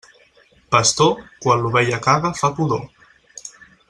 Pastor, quan l'ovella caga fa pudor.